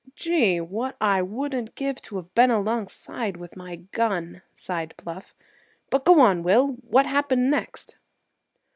"Gee! what wouldn't I give to have been alongside, with my gun!" sighed Bluff; "but go on, Will; what happened next?"